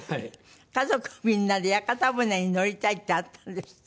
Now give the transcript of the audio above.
家族みんなで屋形船に乗りたいってあったんですって？